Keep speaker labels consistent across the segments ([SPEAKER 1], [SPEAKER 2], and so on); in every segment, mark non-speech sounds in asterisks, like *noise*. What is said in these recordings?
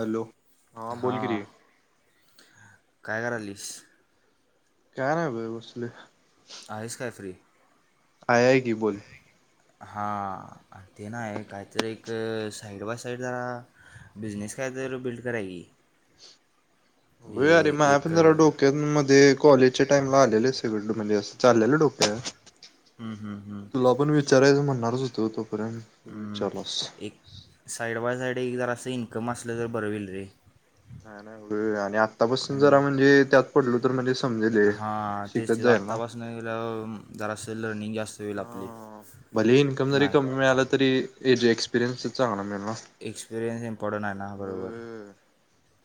[SPEAKER 1] Hello हां बोल कि रे
[SPEAKER 2] काय करायलस?
[SPEAKER 1] काय ना बग बसलोय.
[SPEAKER 2] आहेस काय फ्री?
[SPEAKER 1] आहे की बोल?
[SPEAKER 2] हा ते ना कायतरी एक साईड बाय साईड जरा, बिझनेस काय तर र बिल्ड करा कि.
[SPEAKER 1] हो अरे म पण जरा
[SPEAKER 2] हम्म,
[SPEAKER 1] डोक्यात मध्ये कॉलेजच्या टाइमला आलेले सगड म्हज अस, चाललेल डोक्यात.
[SPEAKER 2] हम्म हम्म हम्म
[SPEAKER 1] विचारयचा म्हणणारच होतो. तोपर्यंत तू
[SPEAKER 2] हम्म.
[SPEAKER 1] विचारलास
[SPEAKER 2] एक, साईड बाय साईड एक जर असं इन्कम असलं तर बरं होईल रे.
[SPEAKER 1] नाही नाही, *unintelligible* आत्तापासून जरा म्हणजे त्यात पडलो तर म्हणजे समजेल हे
[SPEAKER 2] हा तेच
[SPEAKER 1] शिकत
[SPEAKER 2] ते
[SPEAKER 1] जाईल ना
[SPEAKER 2] आत्तापासून जरा असलनिंग
[SPEAKER 1] ह. भले इन्कम जरी कमी मिळाला, तरी एक्सपिरियन्स चांगला मिळल.
[SPEAKER 2] एक्सपिरियन्स इम्पॉर्टंट आहे ना बरोबर.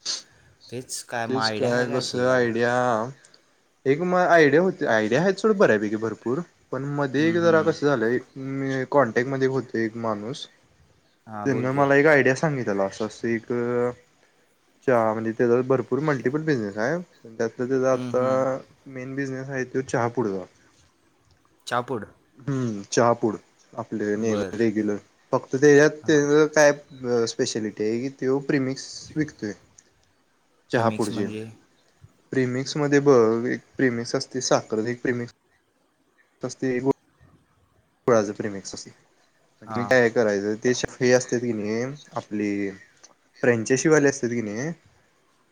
[SPEAKER 1] ह.
[SPEAKER 2] तेच काय मग
[SPEAKER 1] तेच
[SPEAKER 2] आयडिया
[SPEAKER 1] काय
[SPEAKER 2] आहे
[SPEAKER 1] कस
[SPEAKER 2] अशी काय
[SPEAKER 1] आयडिया एक मग आयडिया होते. आयडिया आहे थोडं बरं आहे पैकीे भरपूर पण मध्ये
[SPEAKER 2] हम्म,
[SPEAKER 1] एक जरा
[SPEAKER 2] हम्म.
[SPEAKER 1] कसं झालंय मी कॉन्टॅक्ट मध्ये होतो एक माणूस,
[SPEAKER 2] हां बोल
[SPEAKER 1] त्यांना
[SPEAKER 2] की
[SPEAKER 1] मला एक आयडिया सांगितलं. असं एक, च म्हणजे त्याचा भरपूर मल्टिपल बिझनेस आहे. त्यातला त्याचा
[SPEAKER 2] हम्म, हम्म.
[SPEAKER 1] आता मेन बिझनेस आहे त चहापुडचा.
[SPEAKER 2] चापूड?
[SPEAKER 1] हम्म चहापूड.
[SPEAKER 2] बर
[SPEAKER 1] आपल्याक रेग्युलर फक्त त्याच्यात त्यांज काय स्पेशलिटी आहे, की तो प्रिमिकस विकतोय.
[SPEAKER 2] प्रेमिक्स
[SPEAKER 1] चहापुडची
[SPEAKER 2] म्हणजे?
[SPEAKER 1] प्रिमिक्स मध्ये बघ, एक प्रिमिक्स असते साखर, एक प्रिमिक्स असते. कळाच प्रिमेक्स असते मी
[SPEAKER 2] हां
[SPEAKER 1] काय करायचं? ते हे असत कि नाही, आपली फ्रेंचे शिवाले असते कि नाही?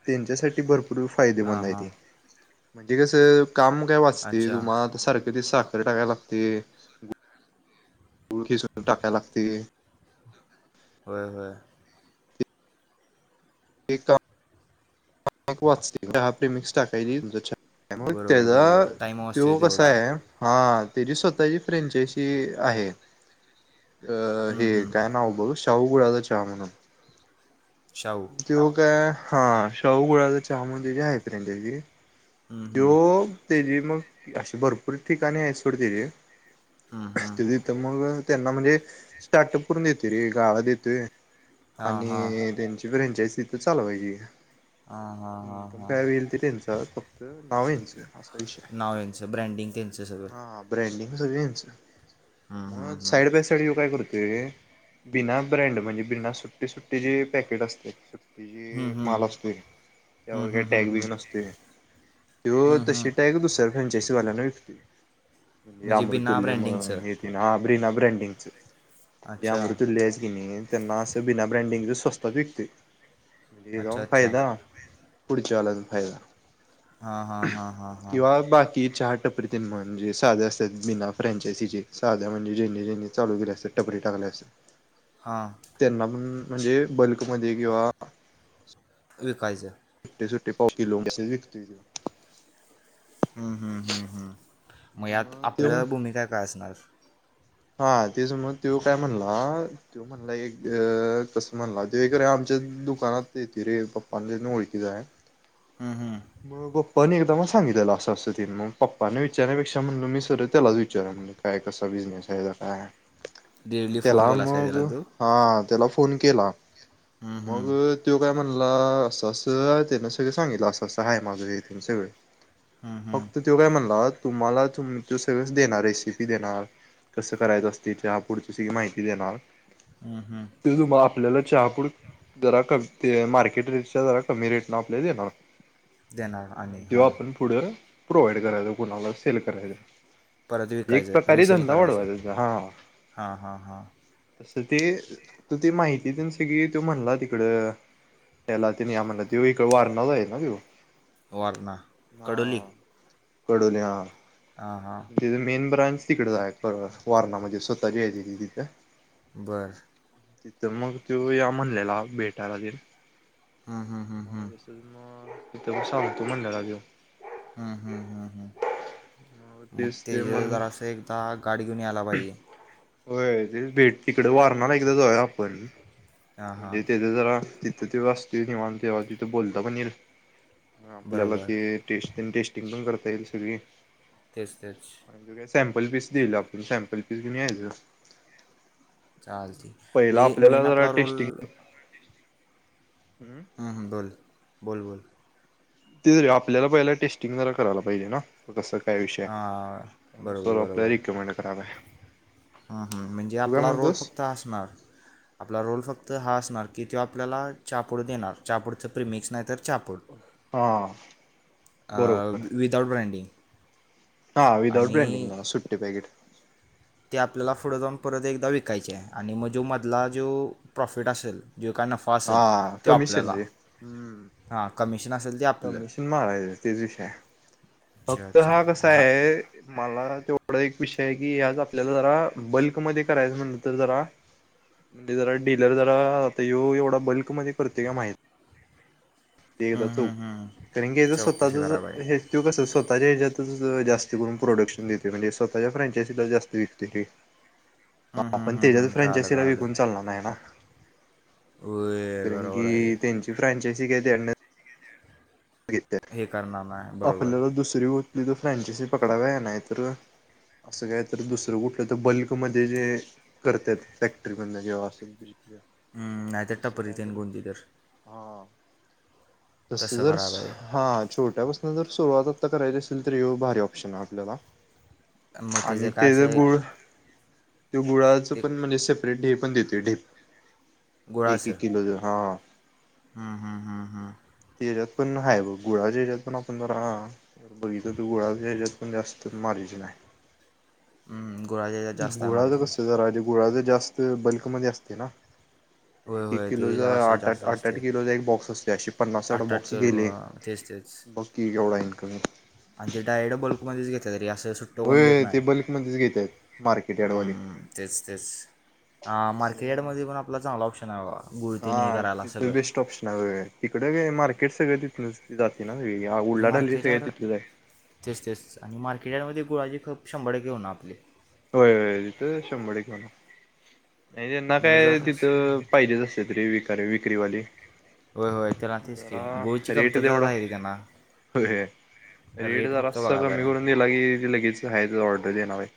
[SPEAKER 1] त्यांच्यासाठी भरपूर पूर फायदे
[SPEAKER 2] हां हां
[SPEAKER 1] तरी
[SPEAKER 2] अच्छा
[SPEAKER 1] टाकाय लागते. *inaudible* गुळ किसून टाका्या लागती.
[SPEAKER 2] होय होय.
[SPEAKER 1] एक वाचतेे हपे मिक्स टाकायची तुमचछ. मग
[SPEAKER 2] बरोबर
[SPEAKER 1] त्याचा
[SPEAKER 2] बरोबर टाईम वाचतो
[SPEAKER 1] तो कसा
[SPEAKER 2] तेवढा
[SPEAKER 1] आहे, हा तेची स्वत ता फ्रेच
[SPEAKER 2] हं, हं.
[SPEAKER 1] चव कडदा चचा मग. *inaudible*
[SPEAKER 2] शाहू
[SPEAKER 1] तो काय, हा शाहू गुळाचा चहा म्हणजे त्याची आहेते त्याची. *inaudible*
[SPEAKER 2] हं, हं.
[SPEAKER 1] तो तेजी मग अशी भरपूर ठिकाणी आहे त्याची.
[SPEAKER 2] हं, हं.
[SPEAKER 1] त तथं मग. त्यांना म्हणजे स्टार्टअप करून देते रे गाळा देतोय.
[SPEAKER 2] हां हां
[SPEAKER 1] आणि त्यांची फ्रँचाइज तिथ चालवायची.
[SPEAKER 2] हां हां
[SPEAKER 1] हम्म
[SPEAKER 2] हां
[SPEAKER 1] प
[SPEAKER 2] हां
[SPEAKER 1] काय वेल ते त्यांच फक्त नाव यांच असं. विषय आहे.
[SPEAKER 2] नाव यांचं ब्रँडिंग त्यांचं सगळं
[SPEAKER 1] हा ब्रॉन्ड सगच
[SPEAKER 2] हं, हं,
[SPEAKER 1] मग
[SPEAKER 2] हं.
[SPEAKER 1] साईड बाय साईड ये काय करतोय? बिना
[SPEAKER 2] हं,
[SPEAKER 1] तचीे
[SPEAKER 2] हं.
[SPEAKER 1] माल असततोय,
[SPEAKER 2] हं,
[SPEAKER 1] त्यावर काय
[SPEAKER 2] हं, हं,
[SPEAKER 1] टॅग बीग
[SPEAKER 2] हं.
[SPEAKER 1] नसतोय. यो
[SPEAKER 2] हं, हं.
[SPEAKER 1] तशा टाय का दुसर फ्रॅचायसीवाल्याना विकते. म्हणजे
[SPEAKER 2] बिना
[SPEAKER 1] अमृतुल्य म्ह
[SPEAKER 2] ब्रँडिंगचं
[SPEAKER 1] हे ति ना बिना ब्रँडिंगच. ज
[SPEAKER 2] अच्छा
[SPEAKER 1] अमृत अयेस की नाई, त्यांना असं बिना ब्रँडिंगच स्वस्त विकत. म्हणजे
[SPEAKER 2] अच्छा
[SPEAKER 1] काऊ
[SPEAKER 2] अच्छा
[SPEAKER 1] फायदा पुढच्यावालातून फायदा.
[SPEAKER 2] हा हा हा हा हा.
[SPEAKER 1] चाहा टपरीतील म्हणजे, साध्या असतात. बिना फ्रँचायसीचे साध म्हणजे जेणे जेणे चालू केले असतात टपरी त्यांना
[SPEAKER 2] हां
[SPEAKER 1] पण म्हणजे बल्कमध्ये किंवा
[SPEAKER 2] विकायचं.
[SPEAKER 1] सुट्टी पाव किलोअसं विकतोय तो.
[SPEAKER 2] हम्म हम्म हम्म हम्म मग यात आपलं भूमिका काय असणार?
[SPEAKER 1] हा ते समज तो काय म्हणला? तो म्हणला एक असं म्हणला त एक र आमच्या दुकाना रे पप्पांच्या ओळखी आहे
[SPEAKER 2] हम्म हम्म
[SPEAKER 1] म पण एकदा मग सांगितलेलं असं असं मग पप्पानने विचारण्यापेक्षा म्हणलं मी सरळ त्यालाच विचारा म्हणलं काय कसा बिझनेस? काय
[SPEAKER 2] डेली फोन
[SPEAKER 1] त्याला
[SPEAKER 2] केलास काय त्याला
[SPEAKER 1] मगं
[SPEAKER 2] तू
[SPEAKER 1] हा. त्याला फोन केला
[SPEAKER 2] हम्म हम्म
[SPEAKER 1] मगं त्यो कायं म्हणला असं असं त्याने सगळं सांगितलं असं असं आहे माझं हिथ सगळं
[SPEAKER 2] हम्म हम्म
[SPEAKER 1] फक्त तो काय म्हणला तुम्हाला तुमच सगळच देणार रेसिपी देणार. कसं करायचं असते त्या पुढची सगळी माहिती देणार.
[SPEAKER 2] हम्म हम्म
[SPEAKER 1] ते तु आपल्याला चहापूड जरा कमी ते मार्केट रेटच्या जरा कमी रेट न आपल्याला देणार.
[SPEAKER 2] देणार आणि
[SPEAKER 1] तेव
[SPEAKER 2] हां
[SPEAKER 1] आपण पुढे प्रोव्हाइड करायचो कुणाला सेल करायचं.
[SPEAKER 2] परत
[SPEAKER 1] एक
[SPEAKER 2] विकायचं
[SPEAKER 1] प्रकारे
[SPEAKER 2] रिसेल
[SPEAKER 1] धंदा
[SPEAKER 2] करायचं
[SPEAKER 1] वाढवायचा त्याचा. हा
[SPEAKER 2] हां हां हां.
[SPEAKER 1] तसं ते त ती माहिती तेन सगळी तो म्हणला तिकडं त्याला तेन या म्हणला ते इकडे वारणा चा आहे. तेव.
[SPEAKER 2] वरणा कडोली.
[SPEAKER 1] कडोली. हा.
[SPEAKER 2] हां हां
[SPEAKER 1] तिथे मेन ब्रांच तिकडे जाय वारणामध्येध्ये स्वतःची आहे ति तिथं
[SPEAKER 2] बरं!
[SPEAKER 1] तिथं मगं तो या म्हणलेला भेटायला ते
[SPEAKER 2] हम्म हम्म
[SPEAKER 1] म
[SPEAKER 2] हम्म
[SPEAKER 1] तसच मग तिथ मग सांगतो म्हणलेला तो
[SPEAKER 2] हम्म-हम्म-हम्म-हम्म.
[SPEAKER 1] मग
[SPEAKER 2] मगं
[SPEAKER 1] तेच ते
[SPEAKER 2] तेज
[SPEAKER 1] म्हण
[SPEAKER 2] जरा असं एकदा गाठ घेऊन यायला पाहिजे.
[SPEAKER 1] हो ते भेट तिकडे वारणार एकदा जावूया आपण
[SPEAKER 2] हां हां
[SPEAKER 1] म्हणजे तिथं जरा तिथं तेव असतील कव्हा तेव्हा तिथं बोलता पण येईल. ह आपल्याला
[SPEAKER 2] बरोबर
[SPEAKER 1] तेे टेस्टिंग पण करता येईल सगळी.
[SPEAKER 2] तेच तेच.
[SPEAKER 1] आणि जो काय सॅम्पल पीस दिईल आप सॅम्पल पीस घेऊन याचयं.
[SPEAKER 2] चालतयं हे मेन आपला रोल
[SPEAKER 1] टेस्टिंग
[SPEAKER 2] हमम! हम बोल -बोल- बोल.
[SPEAKER 1] तेे आपल्याला पहिलं टेस्टिंग जरा करायला पाहिजे ना कसं. काय विषय आहे
[SPEAKER 2] हा, बरोबर
[SPEAKER 1] त्यानुसार
[SPEAKER 2] बरोबर.
[SPEAKER 1] आपल्याला रिकमेंड करायला आहे
[SPEAKER 2] म्हणजे
[SPEAKER 1] तू काय
[SPEAKER 2] आपला रोल
[SPEAKER 1] म्हणतोस
[SPEAKER 2] फक्त असणार आपला रोल फक्त हा. की त आपल्याला चहापूड देणार चहापूडचं प्रिमिक्स नाही तर चहापूड
[SPEAKER 1] हां.
[SPEAKER 2] विदाआउट ब्रँडिंग
[SPEAKER 1] हा विदाउट
[SPEAKER 2] आणि
[SPEAKER 1] ब्रेंडिंग सुट्टी पॅकेट
[SPEAKER 2] ते आपल्याला पुढं जाऊन परत एकदा विकायचे आहे आणि मग जो मधला जो प्रॉफिट असेल जे काय नफा असेल
[SPEAKER 1] हा
[SPEAKER 2] तो
[SPEAKER 1] कमिशन
[SPEAKER 2] आपल्याला
[SPEAKER 1] रे हम्म
[SPEAKER 2] हां कमिशन असेल. ते आपलं
[SPEAKER 1] कमिशन मागायचं तेच विषय आहे.
[SPEAKER 2] अच्छा
[SPEAKER 1] फक्त
[SPEAKER 2] अच्छा
[SPEAKER 1] हा कसा
[SPEAKER 2] हां
[SPEAKER 1] आहे मला तेवढा एक विषय कि आज आपल्याला जरा बल्कमध्ये करायचं म्हणलं तर जरा म्हणजे जरा डीलर जरा आता व्हो एवढा बल्कमध्ये करतो का माहित ते एकदा
[SPEAKER 2] हं
[SPEAKER 1] चौक
[SPEAKER 2] हं हं
[SPEAKER 1] कारण की तर
[SPEAKER 2] चौकशी करा बाई
[SPEAKER 1] स्वतःच हे कसं स्वतःच्या हच्यात जास्त करून प्रोडक्शन देते म्हणजे स्वतःच्या फ्रॅचायजीला जास्त विकते ते
[SPEAKER 2] हं
[SPEAKER 1] ह
[SPEAKER 2] हं
[SPEAKER 1] पण
[SPEAKER 2] हं
[SPEAKER 1] त्याच्यात
[SPEAKER 2] हं कळालं
[SPEAKER 1] फ्रँचायसीला
[SPEAKER 2] कळालं
[SPEAKER 1] विकून चालणार नाही.
[SPEAKER 2] होय
[SPEAKER 1] कारण की
[SPEAKER 2] बरोबर आहे
[SPEAKER 1] त्यांची फ्रांचायसी काय त्या
[SPEAKER 2] हे करणार नाही बरोबर
[SPEAKER 1] आपल्याला दुसरी होत नाही तर फ्रँचासी पकडाव्या आहे नाही तर असं काय तर दुसरं कुठलं तर बल्कमध्ये जे करताय फॅक्टरी मधुन किंवा असं
[SPEAKER 2] हम्म नाही तर
[SPEAKER 1] तसं
[SPEAKER 2] टपरी
[SPEAKER 1] काय
[SPEAKER 2] तेन
[SPEAKER 1] तर
[SPEAKER 2] कोणती तरं
[SPEAKER 1] हा तसं जर
[SPEAKER 2] करायला पाहिजे
[SPEAKER 1] हा छोट आहे बस जर सुरुवात आता करायची असेल तर भारी ऑप्शन आहे आपल्याला
[SPEAKER 2] मग
[SPEAKER 1] आणि
[SPEAKER 2] त्याचं काय
[SPEAKER 1] ते
[SPEAKER 2] असं
[SPEAKER 1] ज
[SPEAKER 2] आहे
[SPEAKER 1] गुळ त गुळाचं
[SPEAKER 2] ते
[SPEAKER 1] पण म्हणजे सेपरेट ढ पण देते ढेप एक
[SPEAKER 2] गुळाचं
[SPEAKER 1] एक किलोच हा
[SPEAKER 2] हम्म हम्म हम्म हम्म.
[SPEAKER 1] त्याच्यात पण हाय बघ गुळाच्या ह्याच्यात पण आपण जर बघितलं तर गुळाच्या ह्याच्यात पण जास्त मार्जिन आहे.
[SPEAKER 2] हम्म. गुळाच्या ह्याच्यात जास्त आहे
[SPEAKER 1] गुळाचं
[SPEAKER 2] मार्जिन
[SPEAKER 1] कसं जरा गुळाच जास्त बल्कमध्येध्ये असते ना?
[SPEAKER 2] होय
[SPEAKER 1] एक एक
[SPEAKER 2] होय
[SPEAKER 1] किलो
[SPEAKER 2] ते
[SPEAKER 1] ज
[SPEAKER 2] जरासं
[SPEAKER 1] आठ
[SPEAKER 2] जास्त
[SPEAKER 1] आठ आठ
[SPEAKER 2] असते
[SPEAKER 1] किलो एक बॉक्स असते असे पन्नास साठ
[SPEAKER 2] आठ आठ
[SPEAKER 1] बॉक्स गेले.
[SPEAKER 2] किलो तेच तेच
[SPEAKER 1] बाकी केवढा इनकम
[SPEAKER 2] आणि ते टायर्ड बल्कमध्येच घेत तरी असं त सुट्टो करून घेत
[SPEAKER 1] होय
[SPEAKER 2] नाही
[SPEAKER 1] ते बल्कमध्येच घेतायत मार्केट यार्डवाले.
[SPEAKER 2] हम्म तेच तेच हा
[SPEAKER 1] असं जरा
[SPEAKER 2] मार्केटमध्ये पण आपला चांगला ऑप्शन आहे बा गुळतेनी हे करायला सगळं
[SPEAKER 1] स मार्केट सगळे तिथं जाते ना सगळी
[SPEAKER 2] आणि
[SPEAKER 1] उल्हाडहल्ली
[SPEAKER 2] मार्केट
[SPEAKER 1] सगळं
[SPEAKER 2] याड
[SPEAKER 1] तिथलंच आहे
[SPEAKER 2] तेच तेच आणि मार्केट याडमध्ये गुळाजी खप शंभर टक्के होणार आपली
[SPEAKER 1] होय होय तिथं शंभर टक्के होणार. नाही त्यांना
[SPEAKER 2] मग
[SPEAKER 1] काय
[SPEAKER 2] जरा
[SPEAKER 1] तिथं
[SPEAKER 2] असं-
[SPEAKER 1] पाहिजेच असते तरी विक विक्रीवाले.
[SPEAKER 2] होय होय त्याला तेच की
[SPEAKER 1] जरा
[SPEAKER 2] गोळची
[SPEAKER 1] रेट
[SPEAKER 2] कमतरता
[SPEAKER 1] तेवढा
[SPEAKER 2] आहे रे त्यांना
[SPEAKER 1] रेट
[SPEAKER 2] रेट
[SPEAKER 1] जरा
[SPEAKER 2] फक्त
[SPEAKER 1] अस
[SPEAKER 2] बघा बाय
[SPEAKER 1] कमी करून दिला की लगेच हायच ऑर्डर देणार आहे.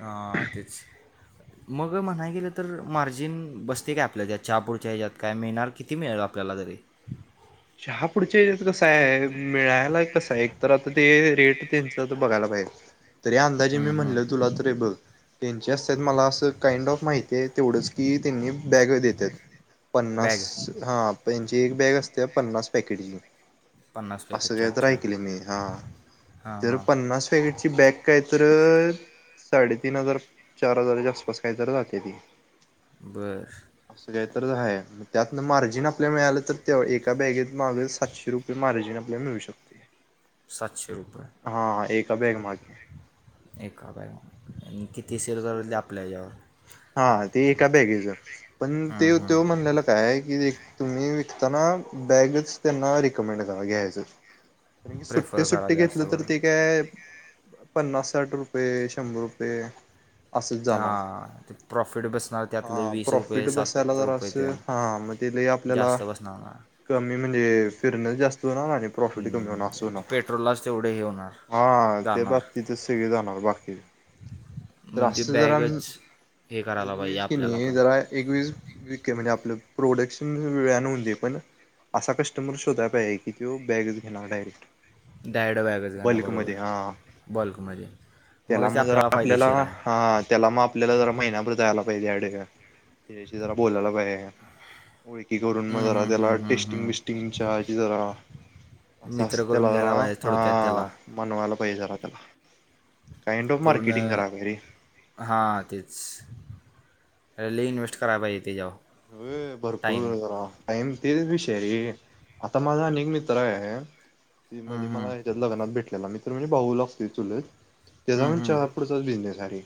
[SPEAKER 2] हा तेच मग म्हणाय गेलं तर मार्जिन बसते काय आपल्या यात चहापुढच्या ह्याच्यात काय मिळणार किती मिळेल आपल्याला जरी बे *unintelligible*
[SPEAKER 1] चहा पुढचे कसं आहे मिळायला कसं आहे एक तर आता ते रेट त्यां बघायला पाहिजे तरी अंदाजे मी
[SPEAKER 2] हं, हं.
[SPEAKER 1] म्हणलं तुला त बघ त्यांचे असतात मला असं काइंड ऑफ माहिती आहे तेवढंच की त्यांनी बॅग देतात. पन्नास
[SPEAKER 2] बॅग
[SPEAKER 1] हा त्यांची एक बॅग असते पन्नास पॅकेटची
[SPEAKER 2] पन्नास
[SPEAKER 1] असं
[SPEAKER 2] पॅकेटची
[SPEAKER 1] काय तर
[SPEAKER 2] अच्छा
[SPEAKER 1] ऐकलं मी हा
[SPEAKER 2] हां
[SPEAKER 1] तर
[SPEAKER 2] हां
[SPEAKER 1] पन्नास पॅकगेटची बॅग काय तर साडेतीन हजार चार हजाराच्या आसपास काहीतरी जाते ती
[SPEAKER 2] बरं
[SPEAKER 1] त्या मार्जिन आपल्या मिळालं तर ए बॅगेत मागे सातशे रुपये मार्जिन आपल्याला मिळू शकते.
[SPEAKER 2] सातशे रुपये.
[SPEAKER 1] त्या बॅग मागे
[SPEAKER 2] एका बाय आणि किती सेल करली आपल्याच्यावर
[SPEAKER 1] हा ते एका बॅगेच पण ते
[SPEAKER 2] हं, हं.
[SPEAKER 1] तो म्हणलेलं काय आहे की तुम्ही विकताना बॅगच त्यांना रिकमेंड करा घ्यायचं कारणी सुट्टी
[SPEAKER 2] प्रेफर करा
[SPEAKER 1] सुट्टी
[SPEAKER 2] जास्त
[SPEAKER 1] घेतलं तर
[SPEAKER 2] बरं
[SPEAKER 1] ते काय पन्नास साठ रुपये शंभर रुपये असंच जाणव
[SPEAKER 2] हां ते प्रॉफिट बसणार
[SPEAKER 1] हा
[SPEAKER 2] त्यातलं वीस रुपये
[SPEAKER 1] प्रॉफिट बसायला
[SPEAKER 2] सात
[SPEAKER 1] जरा
[SPEAKER 2] रुपये
[SPEAKER 1] असं
[SPEAKER 2] ते
[SPEAKER 1] हा म आपल्याला
[SPEAKER 2] जास्त बसणार ना
[SPEAKER 1] कमी म्हणजे फिरण जास्त ना नाही प्रॉफिट कमी
[SPEAKER 2] हम्म.
[SPEAKER 1] होणार ना
[SPEAKER 2] पेट्रोललाच तेवढे हे होणार
[SPEAKER 1] हा ते
[SPEAKER 2] जाणार
[SPEAKER 1] बाब तिथ सगळे जाणार बाकी
[SPEAKER 2] *inaudible*
[SPEAKER 1] तर अस जरा
[SPEAKER 2] बॅगच हे
[SPEAKER 1] एक
[SPEAKER 2] करायला पाहिजे
[SPEAKER 1] वस कि
[SPEAKER 2] आपल्याला
[SPEAKER 1] नाही
[SPEAKER 2] पण
[SPEAKER 1] जरा एकवीस व म्हणजे आपलं प्रोडक्शन वेळ न दे पण असा कस्टमर शोधा पाहिजे की तो बॅगच घेणार डायरेक्ट
[SPEAKER 2] डॅयडो बॅगच घाणार बरोबर
[SPEAKER 1] बल्कमध्ये हा
[SPEAKER 2] बॉल्कमध्ये
[SPEAKER 1] त्याला मग जर आपल्याला ह त्याला मग आपल्याला जरा महिना्याभर जायला पाहिजे या ठ त्या जरा बोलायला पाहिजे ओळखी करून मग
[SPEAKER 2] हम्म,
[SPEAKER 1] जरा
[SPEAKER 2] हम्म,
[SPEAKER 1] त्याला
[SPEAKER 2] हम्म, हम्म,
[SPEAKER 1] टेस्टिंग
[SPEAKER 2] हम्म.
[SPEAKER 1] बिस्टिंगच्याजी जरा अस असत
[SPEAKER 2] मित्र करून
[SPEAKER 1] तेलागरा
[SPEAKER 2] घ्यायला पाहिजे थोडक्यात
[SPEAKER 1] ह
[SPEAKER 2] त्याला
[SPEAKER 1] मण वाला झालय त्याला जरा काइंड ऑफ
[SPEAKER 2] पूर्ण
[SPEAKER 1] मार्केटिंग करालोय रे
[SPEAKER 2] हां तेच लई इन्व्हेस्ट कराय पाहिजे तेचावर
[SPEAKER 1] व्हय भरपूर आहे जरा टाइम तेच विषय आहे रे आता माझा अनेक मित्र आहे ते मध्ये मला ह्याच्यात लग्नात भेटलेला मित्र म्हणजे भाऊ लागतोय चुलत त्याचा पण चहा पुुडचाच बिझनेस आहे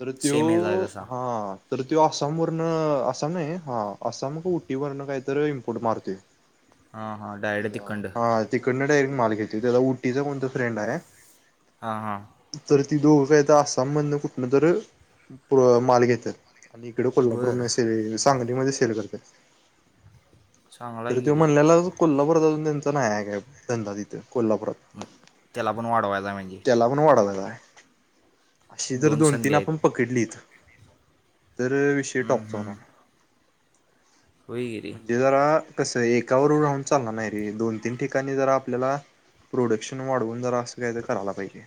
[SPEAKER 1] तर त्यो
[SPEAKER 2] सेम हे जाय तसा
[SPEAKER 1] हा तर त आसामवरन आसाम नाही हा आसाम का उटीवरन काहीतर इम्पोर्ट मारतोय
[SPEAKER 2] हां हां डायरेक्ट तिकंड
[SPEAKER 1] हा तिकडन डायरेक्ट माल घेतो त्याचा उटीचा कोणतर फ्रेंड आहे
[SPEAKER 2] हा हा
[SPEAKER 1] तर ती दोघं आसाम मधन कुठन तर माल घेतात आणि इकडे कोल्हापूर
[SPEAKER 2] बरं
[SPEAKER 1] मध्ये सांगलीमध्ये सेल करत्यात
[SPEAKER 2] चांगला
[SPEAKER 1] तर
[SPEAKER 2] आहे की
[SPEAKER 1] त्यो
[SPEAKER 2] रे
[SPEAKER 1] म्हणल्याला कोल्हापूरात अजून त्यांचा नाही का आहे धंदा तिथं कोल्हापुरात
[SPEAKER 2] त्याला पण वाढवायला म्हणजे
[SPEAKER 1] त्याला पण वाढवायचाय अशी जर दोन तीन
[SPEAKER 2] संधी आहेत
[SPEAKER 1] आपण पकडलीच तर विषय टॉप
[SPEAKER 2] होय की रे
[SPEAKER 1] म्हणजे जरा कसं एकावर राहून चालणार नाही रे दोन तीन ठिकाणी जरा आपल्याला प्रोडक्शन वाढवून जरा असं काय तर करायला पाहिजे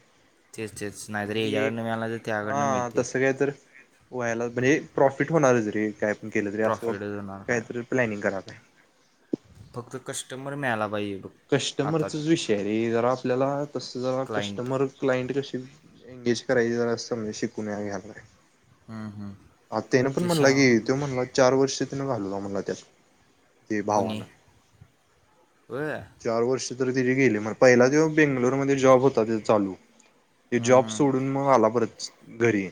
[SPEAKER 2] तेच तेच नाहीतर
[SPEAKER 1] कारण की
[SPEAKER 2] याच्याकडनं
[SPEAKER 1] एक
[SPEAKER 2] मिळाला तर त्याकडनं
[SPEAKER 1] हा
[SPEAKER 2] मिळते
[SPEAKER 1] तसं काय तर वयला म्हणजे प्रॉफिट होणारच रे कायपण केलं तरी असं
[SPEAKER 2] प्रॉफिट होणार काय
[SPEAKER 1] कायतरी प्लॅनिंग करा *unintelligible*
[SPEAKER 2] फक्त कस्टमर मिळायला पाहिजे बघ आता
[SPEAKER 1] कस्टमरचाच विषय रे जरा आपल्याला तस जरा
[SPEAKER 2] क्लायंट
[SPEAKER 1] कस्टमर क्लाइंट कशे एंगेज करायची जरा अस म्हणजे शिकून घ्यायला
[SPEAKER 2] हम्म, हम्म.
[SPEAKER 1] हा त्यान पण
[SPEAKER 2] ते
[SPEAKER 1] म्हणला
[SPEAKER 2] शाव
[SPEAKER 1] की तो म्हणला चार वर्ष त्यान घालवला म्हणला त्यात ते
[SPEAKER 2] कोणी
[SPEAKER 1] भावान
[SPEAKER 2] होय
[SPEAKER 1] चार वर्ष तरी त्याची गेली मग पहिला जेव्हा बेंगलुरूमध्ये जॉब होता तेचा चालू ते जॉब
[SPEAKER 2] हां
[SPEAKER 1] सोडून मग आला परत घरी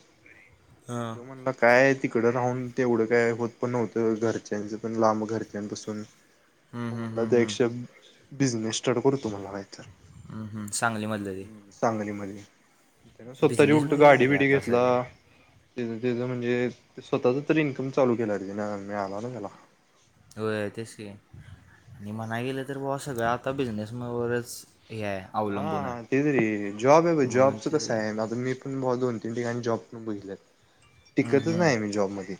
[SPEAKER 1] तो म्हणला काय तिकडं राहून तेवढं काय होत पण नव्हतं घरच्यांचं पण लांब घरच्यांपासून हो म्हणला तर एकश तुझ
[SPEAKER 2] सांगलीमधलं ते
[SPEAKER 1] *unintelligible* सांगलीमध्ये त्या स्वतःची उलट
[SPEAKER 2] बिझनेसमध्येच आहे
[SPEAKER 1] गाडी
[SPEAKER 2] रे
[SPEAKER 1] बिडी
[SPEAKER 2] आता
[SPEAKER 1] घेतला
[SPEAKER 2] सगळे
[SPEAKER 1] त्याच त्याच म्हणजे, स्वतःच तरी इन्कम चालू केला रे त्यानं, मिळाला ना त्याला.
[SPEAKER 2] होय तेच की, आणि म्हणाय गेलं तर भावा सगळं आता बिझनेस म वरच
[SPEAKER 1] हा तेच रे, जॉब आहे भाई
[SPEAKER 2] म्हणून
[SPEAKER 1] जॉबच
[SPEAKER 2] ते
[SPEAKER 1] कसंय आता मी पण पण भावा दोन तीन ठिकाणी जॉब पण बघितल्यात.
[SPEAKER 2] हम्म,
[SPEAKER 1] टिकतच
[SPEAKER 2] हम्म.
[SPEAKER 1] नाही मी जॉबमध्ये,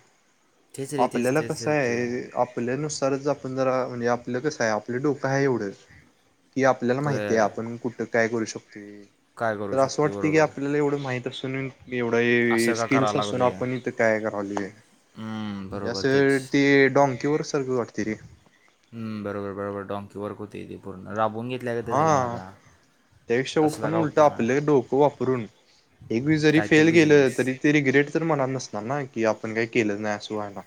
[SPEAKER 2] तेच रे तेच
[SPEAKER 1] आपल्याला
[SPEAKER 2] तेच होतोय
[SPEAKER 1] कसंय आपल्या नुस तरच आपण जरा, म्हणजे आपलं कसंय आपलं डोकं आहे एवढं, की आपल्याला माहिती
[SPEAKER 2] अ,
[SPEAKER 1] आ कुठं काय करू शकतोय?
[SPEAKER 2] काय करू
[SPEAKER 1] तर असं
[SPEAKER 2] शकतो
[SPEAKER 1] वाटते की
[SPEAKER 2] बरोबर
[SPEAKER 1] आपल्याला एवढं माहित असून न‌ एवढं ए
[SPEAKER 2] असं का करा
[SPEAKER 1] स्किल्स असून
[SPEAKER 2] लागली
[SPEAKER 1] आपण इथं काय करालोय?
[SPEAKER 2] हम्म,
[SPEAKER 1] म्हणजे
[SPEAKER 2] बरोबर तेच
[SPEAKER 1] असं ते डाॅंकी वर्क सारखंच वाटते रे.
[SPEAKER 2] हम्म, बरोबर बरोबर, डॉंकी वर्क होतंय ते पूर्ण, राबवून घेतल्या गतच रे
[SPEAKER 1] हा
[SPEAKER 2] मर्दा.
[SPEAKER 1] त्यापेक्षा आपण उलट आपलं डोकं वापरून एकवेळी जरी
[SPEAKER 2] काय तर
[SPEAKER 1] फेल गेलं
[SPEAKER 2] बिझनेस
[SPEAKER 1] तरी ते रिग्रेट तर मनात नस ना कि आपण काय केलंच नाही असं व्हायला.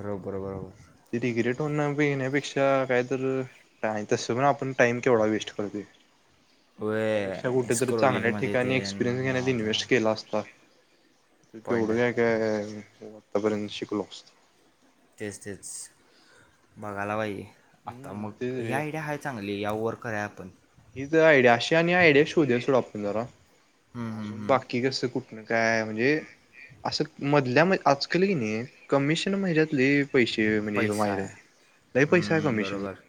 [SPEAKER 2] बरोबर बरोबर.
[SPEAKER 1] ती रिग्रेट होन बिण्यापेक्षा काय तर, काय तसं पण आपण टाइम केवढा वेस्ट करतोय.
[SPEAKER 2] व्हय,
[SPEAKER 1] त्यापेक्षा कुठेतरी चांगल्या
[SPEAKER 2] स्क्रोलिंगमध्ये
[SPEAKER 1] ठिकाणी
[SPEAKER 2] तेन
[SPEAKER 1] एक्सपिरियन्स
[SPEAKER 2] ह्याव त्याव.
[SPEAKER 1] तेवढं काय काय आतापर्यंत शिकलो असतो.
[SPEAKER 2] तेच तेच. बघायला भाई, आता
[SPEAKER 1] हम्म तेच
[SPEAKER 2] मग ही
[SPEAKER 1] रे
[SPEAKER 2] आयडिया हाय चांगली, या वर्क अँप
[SPEAKER 1] ही तर आयडिया अशी आणि आयडिया शोधुया सोड आपण जरा,
[SPEAKER 2] हम्म, हम्म,
[SPEAKER 1] अजून
[SPEAKER 2] हम्म.
[SPEAKER 1] बाकी कसं कुठ नं काय म्हणजे, असं मधल्या म आजकाल हाय की नाही कमिशन म्हणजे यात लय पैसे म्हणे
[SPEAKER 2] पैसा
[SPEAKER 1] माहिर हाय,
[SPEAKER 2] आहे
[SPEAKER 1] लय पैसा आहे
[SPEAKER 2] हम्म,
[SPEAKER 1] कमिशन म
[SPEAKER 2] बरोबर